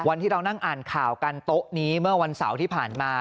วันที่เรานั่งอ่านข่าวกันโต๊ะนี้เมื่อวันเสาร์ที่ผ่านมา